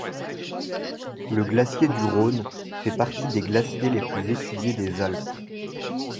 Le glacier du Rhône fait partie des glaciers les plus étudiés des Alpes.